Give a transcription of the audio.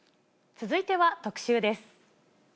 続いては特集です。